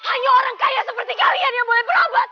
hanya orang kaya seperti kalian yang boleh berobat